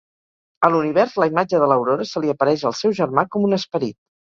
A l'univers, la imatge de l'Aurora se li apareix al seu germà com un esperit.